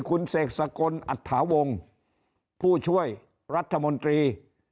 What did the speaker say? คุณเสกสกลอัตถาวงศ์ผู้ช่วยรัฐมนตรี